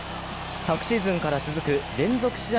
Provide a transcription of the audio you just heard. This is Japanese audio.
昨シーズンから続く連続試合